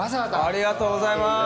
ありがとうございます！